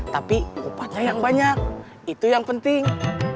tapi upahnya yang banyak itu yang penting